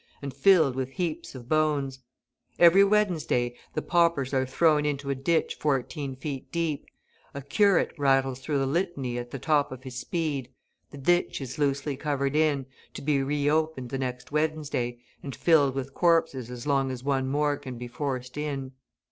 and filled with heaps of bones; every Wednesday the paupers are thrown into a ditch fourteen feet deep; a curate rattles through the Litany at the top of his speed; the ditch is loosely covered in, to be re opened the next Wednesday, and filled with corpses as long as one more can be forced in.